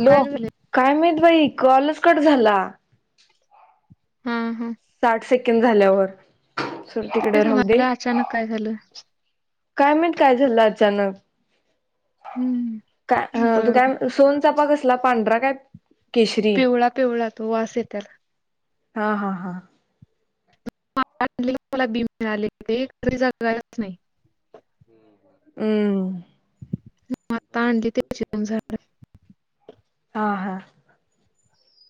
Hello काय झालंय काय माहित बाई कॉलच कट झाला. हा हा साठ सेकंड झाल्यावर. सोड तिकडे तेच राहू दे म्हणाला अचानक काय झालं. काय माहित काय झालं अचानक. हम्म काय ह तू बर बर काय सोनचापा कसला पांढरा काय केशरी पिवळा पिवळा तो वास आहे त्याला. हा हा हा मला बी मिळाले ते. एक पण जागलाच नाही. हम्म आता आणली ते दोन झाडे हा हा,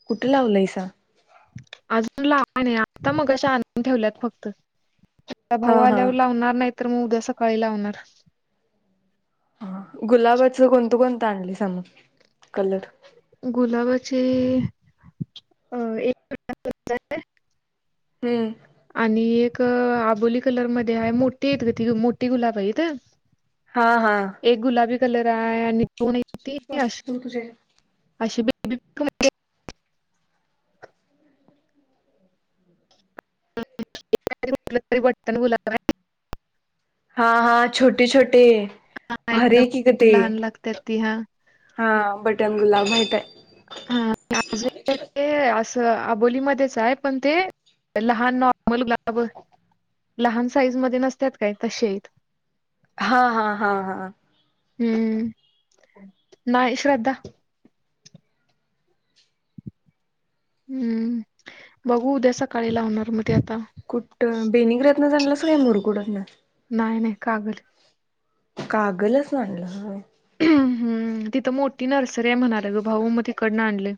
कुठे लावलंयस? अजून लावली नाही, आता मघाशी आणून ठेवल्यात फक्त, छोटा भाऊ हा हा आल्यावर लावणार, नाही तर मग उद्या सकाळी लावणार ह, गुलाबाचं कोणतं कोणतं आणली सामू कलर? गुलाबाचे अ एक [unintelligible] हम्म आणि एक आबोली कलर मध्ये आहे, मोठेत ग ते मोठीे गुलाब आहेत हा हा एक गुलाबी कलर आहे आणि बघ तू तुझे, अशीे बेबी म्हटलं तरी बटन गुलाब आहे, हा, हा, छोटे छोटे, हां, भारी की गं एकदम ते, लहान लागतात ती. हां. हा बटन गुलाब माहितय, हा, अजून ते ते असं आबोलीमध्येच आहे पण ते लहान नॉर्मल गुलाब लहान साईज मध्ये नसत्यात काय, तसेय हा हा हा हा हम्म, नाहीय श्रद्धा हम्म, बघू उद्या सकाळी लावणार मज कुठं बेनंगतन चलास काय मुरकुडतना नाहीय नाही कागल कागलच नालं हम्म, तिथं मोठी नर्सरी आहे म्हणाले ग भाऊ मग तिकडनं आणले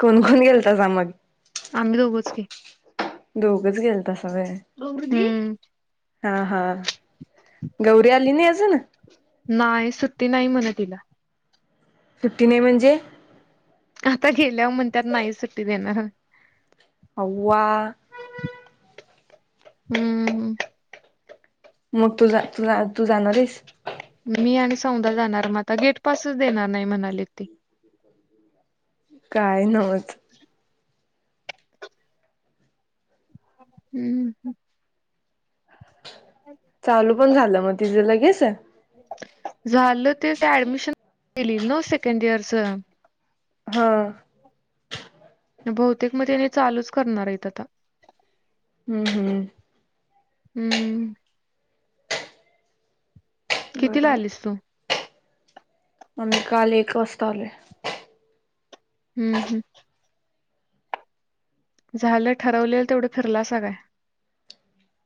कोण कोण गेलतासा मग आम्ही दोघंच की दोघच गेलतास वय हं, हा हा, गवरी आली नाही अजून नाही सुटती नाही म्हणे तिला सुट्टी नाही म्हणजे? आता गेल्यावर म्हणतत नाही सुट्टी देणार आवा, हम्म हम्म मग तू तू तू जाणार आहेस मी आणि सौंदा जाणार मग आता गेटपसच देणार नाही म्हणालीत ते काय नमस् हम्म ह चालू पण झालं मग तिच लगेस झालं तेच ऍडमिशन, गेली ना सेकंड इयरच हा बहुतेक मग तेनी चालूच करणार आहेत आता हम्म हम्म हम्म कितीला आलीस तू? उमं, काल एक वास्ता आले हम्म हम्म झालं? ठरवलेल तेवढं फिरलासा काय?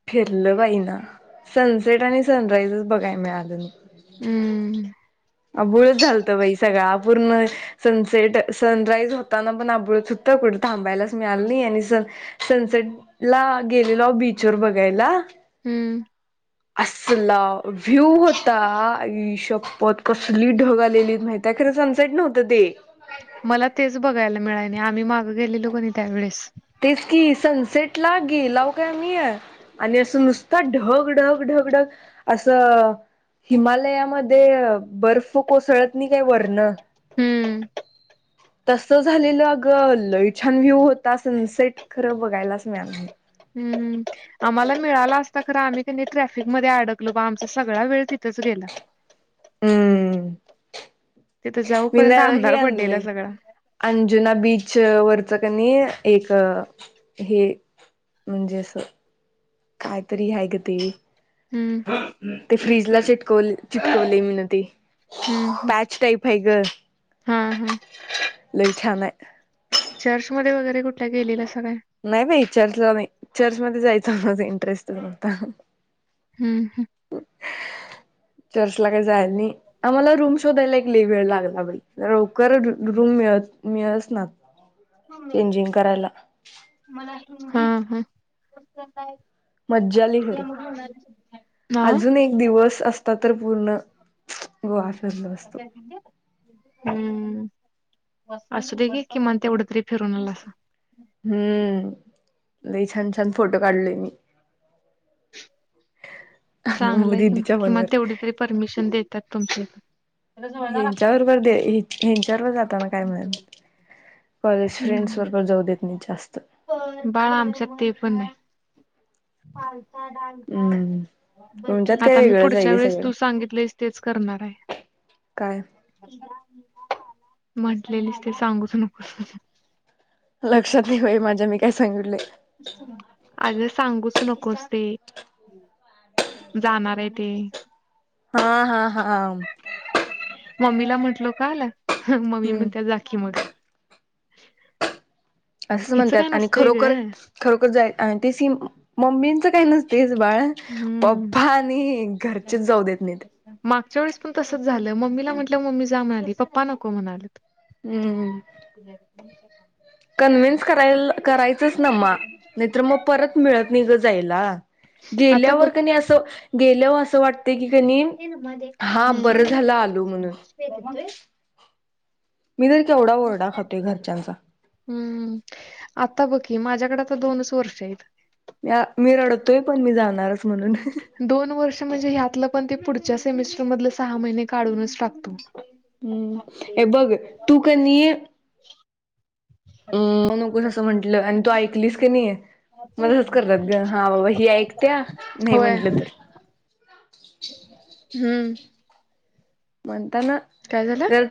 फिरलं बाई ना, सनसेट आणि सनरायजच बघाय मिळालं नाही हम्म अबुळच झालतं बाई सगळा, अपूर्ण सनसेट, सनराईज होताना पण आबुळच होटत कुठे थांबायलाच मिळाल नाही आणि स सनसेट ला गेलेलो बीच वर बघायला. हम्म. असला व्ह्यू होता आईशप्पत. कसली ढग आलेली माहिती खरं सनसेट नव्हतं ते. मला तेच बघायला मिळाय नाया आम्ही मागं गेलेलोकणी त्यावेेळेस. तेच कि सनसेट ला गेलव काय मी या आणि असं नुसत ढग -ढग- ढग. ढग असं. हिमालयामध्ये बर्फ कोसळत नाही काय वरण हम्म. तस झालेलं अग! लई छान व्ह्यू होता. सनसेट खरं बघायलाच मिळाल नाय. हम्म आम्हाला मिळाला अस त खर आम्ही कनी ट्रॅफिक मध्ये अडकलो बा आमचा सगळा वेळ तिथंच गेला. हम्म. तिथं मीना जाऊपर्यंत हे अंधार पडलेला आणलंय सगळा अंजुना बीच वर कनी एक हे म्हणजे अस कायतरी हाय ग ते. हम्म ते फ्रीजला चिटकवले चिटकवले मी न ते. हम्म हम्म पॅच टाईप हाय ग हा हा लय छानाय. चर्चमध्येध्ये वगैरे कुठल्या गेलेल्या. नाही बाई चर्चला नाही चर्चमध्येध्ये जायचं माझा इंटरेस्ट न्हवता. हम्म हम्म. चर्चला काही जायल नाही आम्हाला रूम शोधायला एक लई वेळ लागला बाई लवकर रूम मिळत मिळसना चेंजिंग करायला. ह हम्म. मज्जा आली खर हा अजून एक दिवस असता तर पूर्ण. गोवा फिरलो असतो हम्म. असुदे की किमान तेवढं तरी फिरून आलासा. हम्म लई छान छान फोटो काढलोय मी. चांगलाय कि म दिदीच्या किंमान फोनवर तेवढी तरी परमिशन देत्यात तुमचे. हेच्या बरोबर दे हेंच्या बरोबर जाताना काय नाय. कॉलेज फ्रेंड्स बरोबर जाऊ देत नाही जास्त. बाळा आमच्यात ते पण नाही. पलता हम्म तुमच्यात डालका. आता काय मी वेगळंच आहे पुढच्या गे वेळेस सगळं तू सांगितलंस तेच करणारे. काय म्हटलेलीस ते सांगूच नकोस. लक्षात नाही बाई माझ्या मी काय सांगितलोय. कस ते जाणार आहे ते. हा हा हा. मम्मीला म्हटलो काल, मम्मी हम्म म्हणत्या जाकी मग. [inaudible] असंच हिचं काय म्हणतात आणि नसतंय ग खरोखर खरोखर जाय ते सी मम्मींच काही नसतय. बाळ हम्म. पप्पा आणि घरचेच जाऊ देत नाहीत. मागच्या वेळेस पण तसंच झालं मम्मीला म्हटलं मम्मी जा म्हणाली पप्पा नको म्हणालेत. हम्म. कन्व्हिन्स कराय करायचंस ना म नाहीतर मग परत मिळत नाही ग जायला. आता गेल्यावर बघ कनी असं गेल्यावर अस बरं झालं हम्म आलो म्हणून [unintelligible] मी तर केवढा ओरडा खातोय घरच्यांचा. हम्म. आता बघ की माझ्याकड दोनच वर्षयेत. मी आ मी रडतोय पण मी जाणारच म्हणून. दोन वर्ष म्हणजे ह्यातलं पण ते पुढच्या सेमेस्टर मधले सहा महिने काढूनच टाकतो. हम्म हे बघ तू काणी अं नको तसं म्हंटलं आणि तू ऐकलीस कनी मलाच करतात ग हा बाबा ही ऐकत्या नाही म्हंटलं तर. हम् म्हणता ना काय झालं जर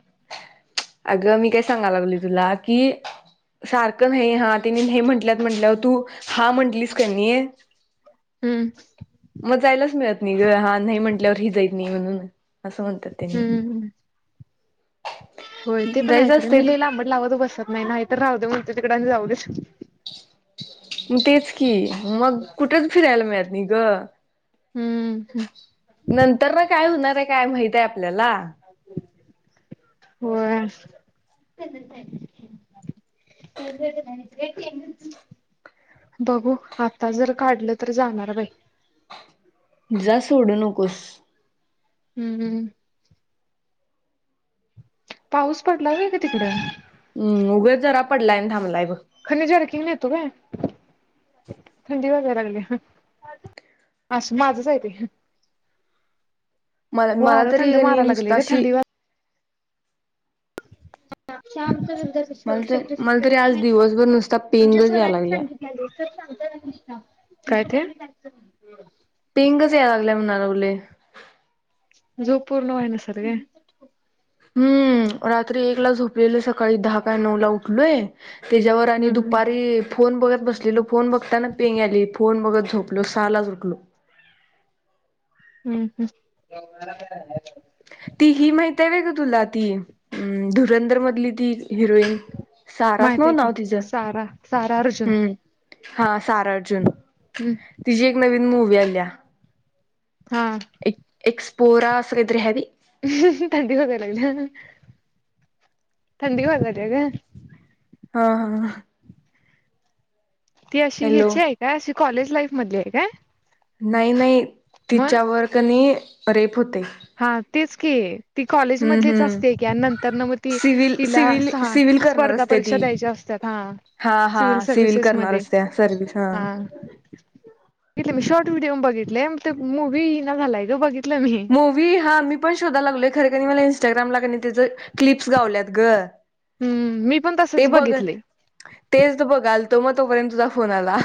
अगं मी काय सांगाय लागलोय तुला कि सारखं नाही हा तिने नाही म्हंटल्यात म्हंटल्यावर तू हा म्हटलीस कनी हम्म. मग जायलाच मिळत नाही ग हा नाही म्हटल्यावर हि जाईत नाही म्हणून. असं म्हणतात तेनी. हम्म होय ते पण हाय खरं मी लय लांबड लावत बसत नाय नाही तर राहूदे [unintelligible] जाऊ देच. म तेच की मग कुठेच फिरायला मिळत नाई ग. हम्म नंतर न काय हूणार हाय काय माहित हाय आपल्याला? होय. [inaudible] बघू आता जर काढलं तर जाणार बाई. जा सोडू नकोस. हम्म हं. पाऊस पडला व्हय ग तिकड? हम्म उगच जरा पडलाय नं थांबलाय बघ. खनी जर्किंग नेतो काय थंडी वाजाय लागल्या. आस माझच हाय ते. मला मला व्हार तरी थंड कणी माराय लागलय ग नुसताशी थंडी वा शमच घर मला तर मला तरी आज दिवसभर नुसता पेंगच याय लागल्या. काय ते? पेंगच याय लागल्या म्हणाय लागलोय. झो पूर्ण व्हय नसल गं. हम्म रात्री एक ला झोपलेलं सकाळी दहा काय नऊ ला उठलोय तेच्यावर आणि हम्म दुपारी फोन बगत बसलेलो फोन बघताना पेंग आली फोन बगत झोपलो सालाच उठलो. हम्म हं. ती हि माहित हाय व्ह तुला ती अ धुरंधर मधली ती हिरोईन सारच माहित न्हव आहे की नाव तिचं सारा सारा अर्जुन हम्म. हा सारा अर्जुन हम्म तिची एक नवीन मूवी आल्या. हा. पोरा अस काहीतरी हाय बाई. थंडी [unintelligible] थंडी वाजायल्या ग. हा हा. ती अशी हॅलो ह्याची हाय काय अशी कॉलेज लाईफ मधली हाय काय? नाही नाही मग तिच्यावर कनी रेप होतय. हा तेच की. ती कॉलेज मधलीच हम्म असते की नंतर ना मग ती सिव्हल तिला सिव्हल सा सिव्हल करणार स्पर्धा असते परीक्षा ती द्यायच्या असतात. हा हा हा सिव्हल सर्व्हिसेस करणार मध्ये असत्या सर्विस हा. लेट मी शॉर्ट व्हिडिओ बघितले ते मूवी ई ना झालाय ग बघितलं मी. मूवी हा मी पणं शोध लागलोय खरे का मला इंस्टाग्रामवर की त्यांच्या क्लिप्स गावल्यात गं हम्म मी पण ते तसच बघ बघितले तेच तू बघालतो मंग तोंपर्यंत तुझा फोन आला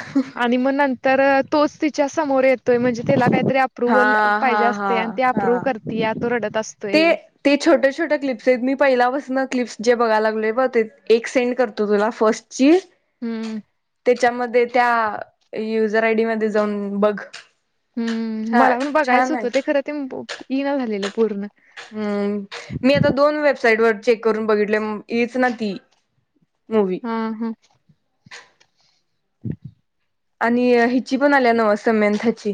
आणि मंग नंतर तोंच तिच्या समोर येतोय म्हणजे त्याला काय. ते हा अपूर्वल हा पाहिजे असतें हा हाय. ते अपूर्वल हा करतीया तो रडत. असतोय ते छोट्या छोट्या क्लिप्सी मी पहिल्यापासून क्लिप्स जे बघालागलोय ते पा ते एक सेंड करतो तुला फर्स्टची हम्म यांच्यामध्ये त्या युझर आयडी मध्ये जाऊन बघ. हम्म छ मला पणं बघायचं छान आहे होतं ते खरं ते ईना झालेलं पूर्ण हम्म मी आता दोन वेब साईड वर चेक करून बघितल येईच ना ती मूवी हा हमं [inaudible] आणि हिची पणं आल्या नव समेंथाची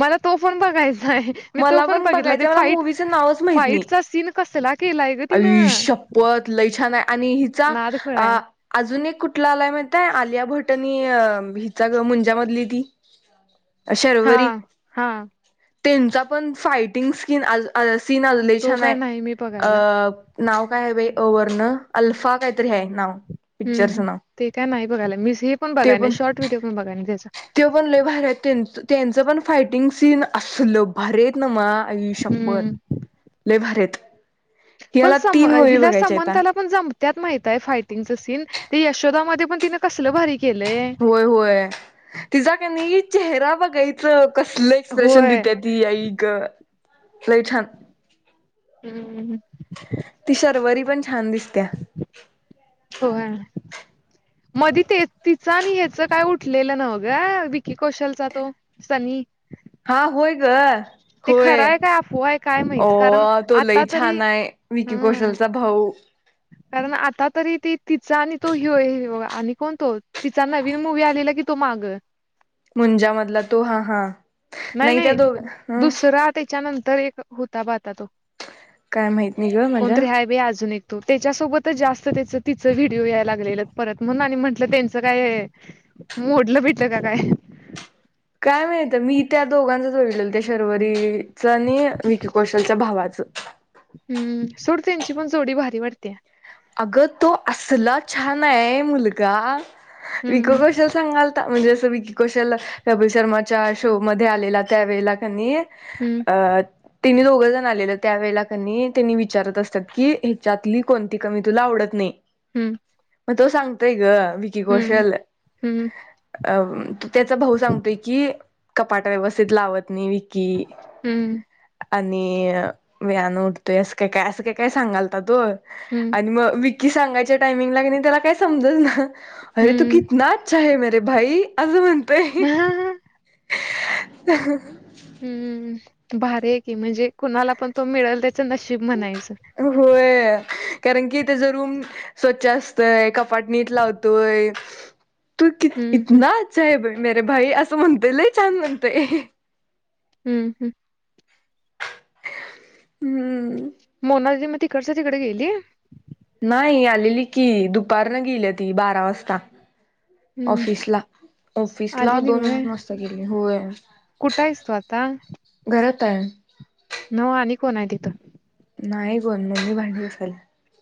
मला तो फोन बघायचा नाही मी तो मला पणं पण बघितला ते बघायचं मला फाईट मूवीचं नावच माहित नाही फाईटचा सीन कसला केलाय ग तिनं पत लयछान आणि हिचा नाद खुळाय अजून एक कुठला आला आहे. माहित आहे का. काय, आलिया भटनी हिच्या मुंज्यामधली ती हा शर्वरी हा त्यांचा पणं फायटिंग स्किन सीन लेय तो छान काय आहे नाही मी बघायला नाव काय बाई अवर्ण अल्फा कांहीतरी आहे नावं हं, हं. पिक्चरसन ते काय नाही बघायला. मी हे पण ते बघाय नाही. शॉर्ट पणं व्हिडिओ पण बघाय नाही त्याचा. ते पणं लय भारी आहे त्याच त्यांचं पण फायटिंग सीन असलं भारी आहे ना मा आई शप्पथ हं. लय भारी आहेत पणं याला सम तीन मूवी हिला बघायच्या आता समताला पणं जमत्याचा माहित आहे फायटिंगच सीन ते यशोदामध्ये मण तीने कसलं भारी केलंय. होय, होय, तिचा काय नाहीं चेहरा बघायचं कसल एक्सप्रेशन होय. देते ती आई गं लंय छान हम्म पणं छान दिसत्याय हो मध्ये तिचं आणि ह्यांचं काय उठलेलं नवं गं विक्री कौशलचा तो सनी हा होय, ग ते होय, खरं आहे काय अफवा आहे काय माहित. कारण अव तो लई आता तरी छान आहे विक्री कौशलचा भाऊ कारणं आता तरी ती. तिचा आणि तो होईवये आणि कोण तो तिचा नवीन मुूवी् आलेला की तो मागं मुंजामधला तो हा हा नाही नाहीं त्या नाही दोघ ह दुसरा त्यांच्यानंतर एक होता बग आता तो काय माहित नाही ग माझ्या कोणतरी आहे बाई अजून एक तो त्यांच्यासोबतच जास्तं त्या तिचं व्हिडिओ यायला लागलेलं परत मग आणि म्हंटलं त्यांचं काय मोडलं बीडलकी काय. काय माहित मी त्या दोघांचच विडवलेलं त्या शर्वरी तीच आणि विक्री कौशलच्या भावाचं हम्म सोड त्यांची पणं जोडी भारी वाटतें या अग तो असला छान आहे मुलगा विकी हम्म कौशल संग आलता म्हणजे असं विक्री कौशल्य कपिल शर्माच्या शोमध्ये आलेला त्या वेळेला कणी हम्म अं तीनी दोघं जणं आलेले त्यावेेळेला कनी त्यांनीं विचारतं असतांत की ह्याच्यातली कोणती कमी तुला आवडतं नाहीं हम्म मंग तो सांगतोय ग विक्री हम्म कौशल हम्म अ त्याचा भाऊ सांगतोय की कपाट व्यवस्थित लावत नाही विकी हम्म आणि मी आणन उडतोय असं काय काय असं काय काय सांगालता तो हम्म आणि मग सांगाय टामिंग त्याला काय समज ना अे तू कितना अच्छा आहे ते भाई असं म्हणतय हम्म हम्म भारी की म्हणजे कुणाला पण तो मिळल चं नशीब म्हणायचं होय कारण की त्याचा रूम स्वच्छ असतय कपाट नीट लावतोय तू क हम्म हम्म इतना अच्छ आहे भाई मरे भाई असं म्हणतय लय छान म्हणतोय हम्म हम्म हम्म मोना दिदी मग तिकडच्या तिकडे गेली नाही आलेली की दुपारन गेली तीही बारा वाजता हम्म ऑफिस ला ऑफिस ला आलेली दोन होय वाजता गली हो कुठं आहेस तू घरात ता न आणि कोण आहे तिथं नाही कोण मगी भांडी असाल